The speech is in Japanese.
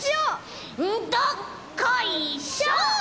どっこいしょ！